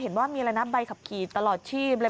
เห็นว่ามีอะไรนะใบขับขี่ตลอดชีม